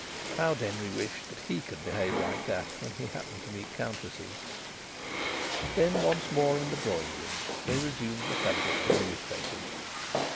How Denry wished that he could behave like that when he happened to meet countesses. Then, once more in the drawing room, they resumed the subject of newspapers.